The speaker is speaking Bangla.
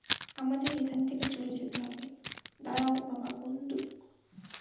আমাদের এখান থেকে চলে যেতে হবে - দাঁড়াও, বাবা, বন্দুক।